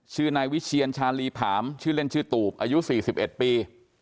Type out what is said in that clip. ชื่อนายวิเชียรชาลีผามชื่อเล่นชื่อตูบอายุสี่สิบเอ็ดปี